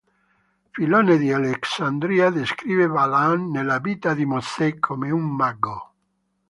Filone di Alessandria descrive Balaam nella "Vita di Mosè" come un mago.